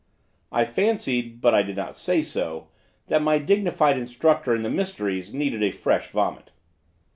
I fancied, but I did not say so, that my dignified instructor in the mysteries needed a fresh vomit.